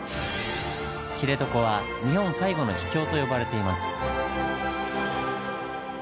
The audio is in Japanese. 知床は「日本最後の秘境」と呼ばれています。